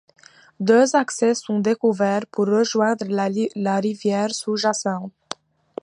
Deux accès sont découverts pour rejoindre la rivière sous-jacente.